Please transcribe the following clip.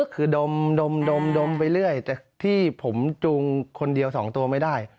คือดมไปเรื่อยแต่ที่ผมจูงคนเดียว๒ตัวไม่ได้